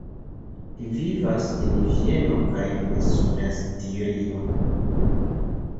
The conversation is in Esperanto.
Li vivas en Vieno kaj en Suda Stirio.